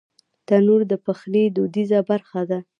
تنور د پخلي دودیزه برخه ده